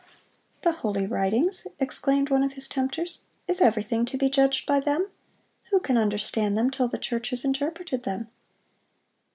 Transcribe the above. "The Holy Writings!" exclaimed one of his tempters, "is everything then to be judged by them? Who can understand them till the church has interpreted them?"